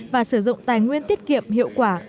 và sử dụng tài nguyên tiết kiệm hiệu quả